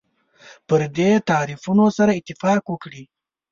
پر دې تعریفونو سره اتفاق وکړي.